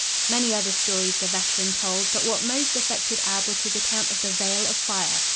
Many other stories the veteran told, but what most affected Ab was his account of the vale of fire.